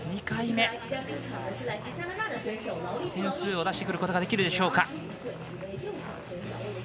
２回目、点数を出してくることができるでしょうか。